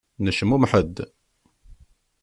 Necmumeḥ-d.